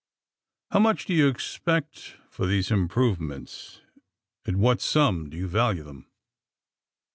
"How much do you expect for these improvements? At what sum do you value them?"